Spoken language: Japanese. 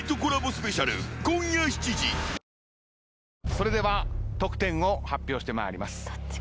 それでは得点を発表してまいります。